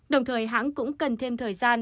đồng thời hãng cũng cần thêm thời gian